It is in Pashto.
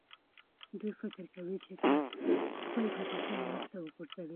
دوی فکر کوي، چې که خپل ټوپکونه ایسته وغورځوي.